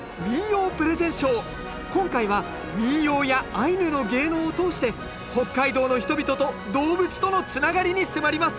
今回は民謡やアイヌの芸能を通して北海道の人々と動物とのつながりに迫ります。